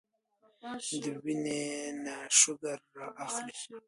د وينې نه شوګر را اخلي